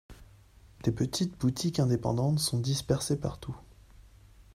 Des petites boutiques indépendantes sont dispersées partout.